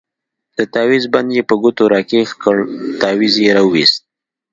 د تاويز بند يې په ګوتو راكښ كړ تاويز يې راوايست.